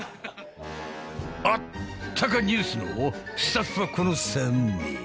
『あっ！たかニュース』のスタッフはこの３名。